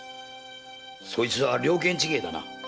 そいつは了見違いだな。